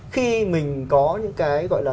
khi mình có những cái gọi là